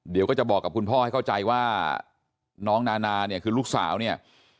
เดี๋ยวก็จะบอกกับคุณพ่อให้เข้าใจว่าน้องนานาเนี่ยคือลูกสาวเนี่ย